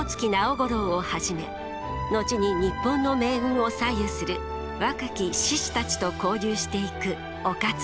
五郎をはじめ後に日本の命運を左右する若き志士たちと交流していく於一。